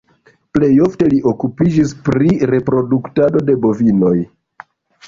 Plej ofte li okupiĝis pri reproduktado de bovinoj.